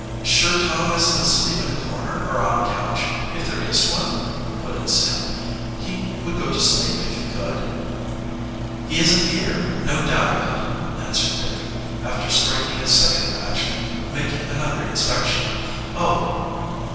"Sure Tom isn't asleep in a corner or on a couch if there is one?" put in Sam. "He would go to sleep if he could." "He isn't here no doubt of it," answered Dick, after striking a second match and making another inspection. "Oh!"